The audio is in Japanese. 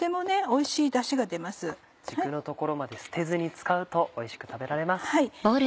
軸の所まで捨てずに使うとおいしく食べられます。